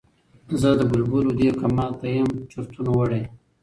زه د بلبلو دې کمال ته یم چرتونو وړی